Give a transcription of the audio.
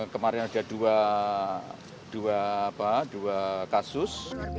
kemarin ada dua kasus